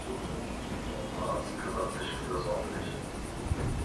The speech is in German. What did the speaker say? Frau Haas kümmert sich fürsorglich.